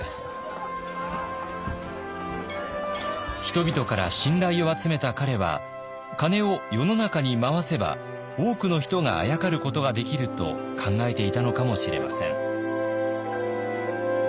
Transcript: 人々から信頼を集めた彼は金を世の中に回せば多くの人があやかることができると考えていたのかもしれません。